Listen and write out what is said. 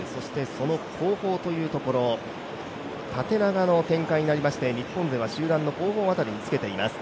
その後方、縦長の展開になりまして日本勢は集団の後方辺りにつけています。